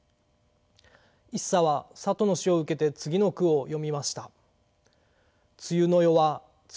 一茶はさとの死を受けて次の句を詠みました。